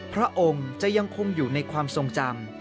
พระองค์จะยังคงอยู่ในความทรงจำ